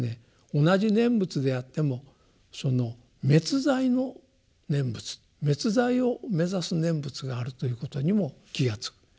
同じ念仏であっても滅罪の念仏滅罪を目指す念仏があるということにも気が付く。